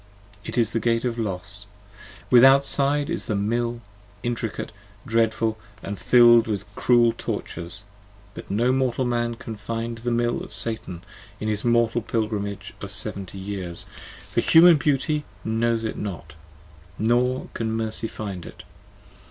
It is the Gate of Los. Withoutside is the Mill, intricate, dreadful And fill'd with cruel tortures: but no mortal man can find the Mill 5 Of Satan in his mortal pilgrimage of seventy years, For Human beauty knows it not: nor can Mercy find it!